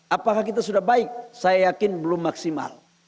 apakah kita sudah baik saya yakin belum maksimal